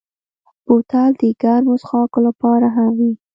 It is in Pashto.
بوتل د ګرمو څښاکو لپاره هم وي.